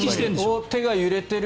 手が揺れてる。